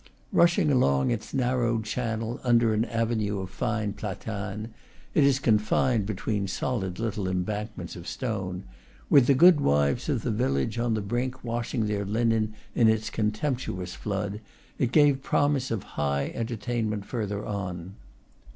Rush ing along its narrowed channel under an avenue of fine platanes (it is confined between solid little embank ments of stone), with the good wives of the village, on the brink, washing their linen in its contemptuous flood, it gave promise of high entertainment further on.